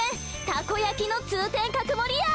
たこ焼きの通天閣もりや！